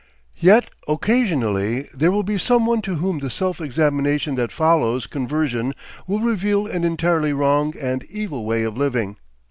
Yet occasionally there will be someone to whom the self examination that follows conversion will reveal an entirely wrong and evil way of living.